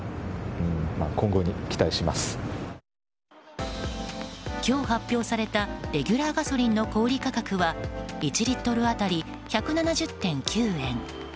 今日発表されたレギュラーガソリンの小売価格は１リットル当たり１７０．９円。